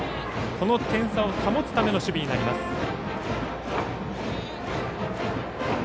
この点差を保つための守備になります。